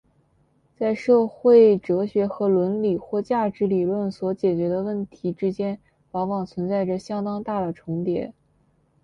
在社会哲学和伦理或价值理论所解决的问题之间往往存在着相当大的重叠。